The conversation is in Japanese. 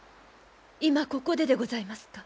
今ここででございますか？